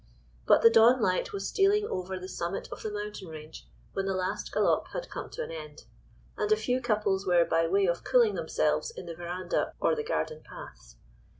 But the dawnlight was stealing over the summit of the mountain range when the last galop had come to an end, and a few couples were by way of cooling themselves in the verandah or the garden paths.